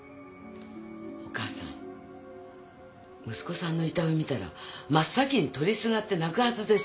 おかあさん息子さんの遺体を見たら真っ先に取りすがって泣くはずです。